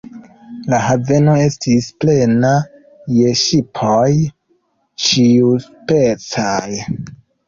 La haveno estis plena je ŝipoj ĉiuspecaj.